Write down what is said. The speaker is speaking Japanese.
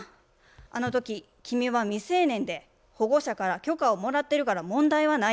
「あのとき君は未成年で保護者から許可をもらってるから問題はない。